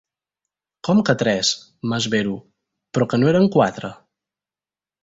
Com que tres? —m'esvero— Però que no eren quatre?